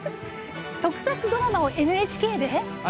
特撮ドラマをＮＨＫで？